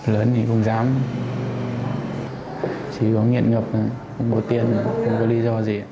lớn thì cũng dám chỉ có nghiện ngập là không có tiền không có lý do gì